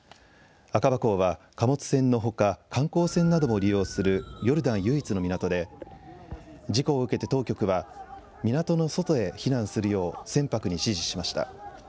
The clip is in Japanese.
アカバ港は貨物船のほか、観光船なども利用するヨルダン唯一の港で、事故を受けて当局は、港の外へ避難するよう船舶に指示しました。